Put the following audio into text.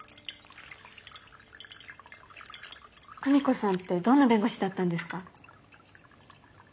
久美子さんってどんな弁護士だったんですか？